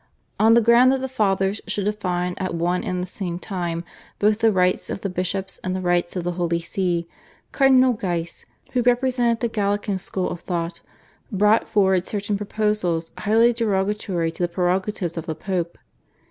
On the ground that the Fathers should define at one and the same time both the rights of the bishops and the rights of the Holy See Cardinal Guise, who represented the Gallican school of thought, brought forward certain proposals highly derogatory to the prerogatives of the Pope.